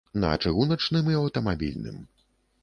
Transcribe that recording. На чыгуначным і аўтамабільным.